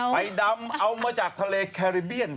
ใบดำเอามาจากทะเลแคริเบียน